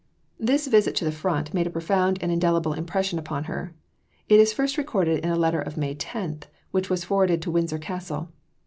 This visit to the front made a profound and indelible impression upon her. It is first recorded in a letter of May 10, which was forwarded to Windsor Castle.